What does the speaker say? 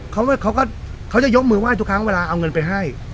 เขาก็เขาจะยกมือไหว้ทุกครั้งเวลาเอาเงินไปให้